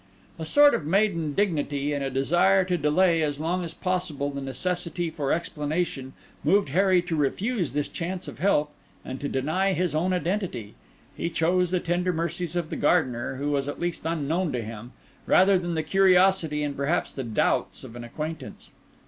A sort of maiden dignity and a desire to delay as long as possible the necessity for explanation moved Harry to refuse this chance of help, and to deny his own identity. He chose the tender mercies of the gardener, who was at least unknown to him, rather than the curiosity and perhaps the doubts of an acquaintance.